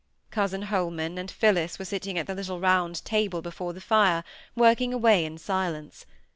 Cousin Holman and Phillis were sitting at the little round table before the fire, working away in silence.